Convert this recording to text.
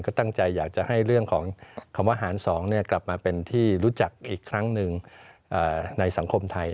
ก็ตั้งใจอยากจะให้เรื่องของคำว่าหาร๒กลับมาเป็นที่รู้จักอีกครั้งหนึ่งในสังคมไทย